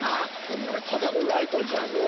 これただのライトじゃのぉ。